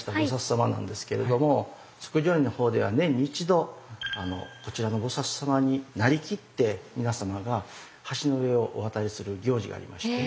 菩様なんですけれども即成院の方では年に一度こちらの菩様になりきって皆様が橋の上をお渡りする行事がありまして。